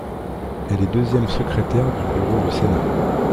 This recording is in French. Elle est deuxième secrétaire du bureau du Sénat.